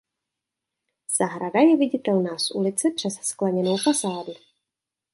Zahrada je viditelná z ulice přes skleněnou fasádu.